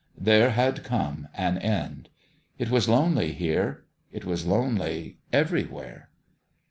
There had come an end. It was lonely there it was lonely everywhere.